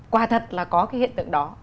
quả thật là có cái hiện tượng đó